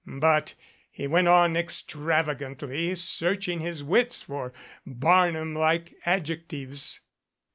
But he went on extravagantly, searching his wits for Barnum like adjectives.